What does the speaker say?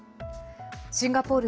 シンガポール